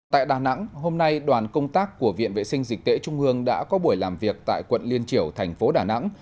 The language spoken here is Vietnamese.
tại đà nẵng hôm nay đoàn công tác của viện vệ sinh dịch tễ trung ương đã có buổi làm việc tại quận liên triểu thành phố đà nẵng